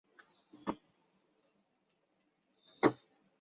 殿试登进士第二甲第六十四名。